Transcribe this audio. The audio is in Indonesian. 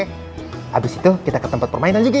habis itu kita ke tempat permainan juga